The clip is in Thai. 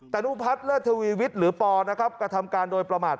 นุพัฒน์เลิศทวีวิทย์หรือปอนะครับกระทำการโดยประมาท